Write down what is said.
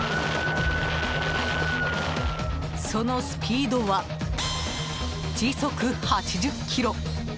そのスピードは、時速８０キロ！